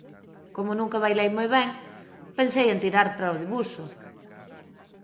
Como nunca bailei moi ben, pensei en tirar para o debuxo.